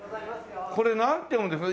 これなんて読むんですか？